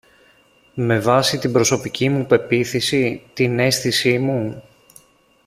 Με βάση την προσωπική μου πεποίθηση, την αίσθηση μου;